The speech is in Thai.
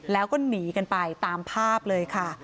แล้วก็หนีกันไปตามภาพเลยค่ะ